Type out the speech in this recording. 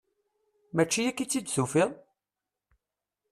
Mačči akka i tt-id-tufiḍ?